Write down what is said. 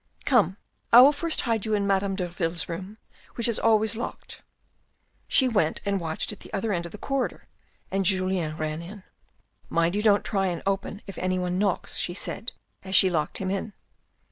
" Come, I will first hide you in Madame Derville's room which is always locked." She went and watched at the other end of the corridor and Julien ran in. " Mind you don't try and open if any one knocks," she said as she locked him in.